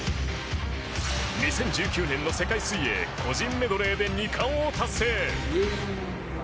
２０１９年の世界水泳個人メドレーで２冠を達成。